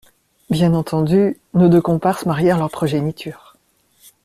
Bien entendu, nos deux comparses marièrent leurs progénitures.